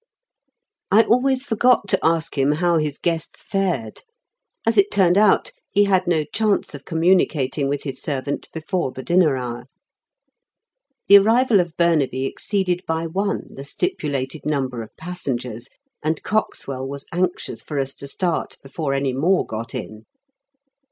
I always forgot to ask him how his guests fared. As it turned out, he had no chance of communicating with his servant before the dinner hour. The arrival of Burnaby exceeded by one the stipulated number of passengers, and Coxwell was anxious for us to start before any more got in.